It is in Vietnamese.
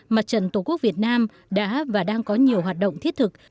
mặt trận tổ quốc việt nam đã và đang có nhiều hoạt động thiết thực